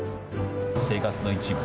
生活の一部。